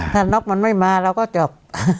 ถ้าน็อกมันไม่มาเราก็จบ